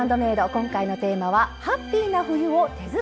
今回のテーマは「Ｈａｐｐｙな冬を手作りで！」